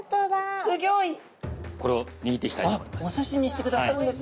これを握っていきたいと思います。